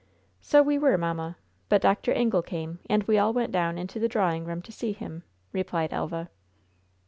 "So we were, mamma, but Dr. Ingle came, and we all went down into the drawing room to see him," replied Elva.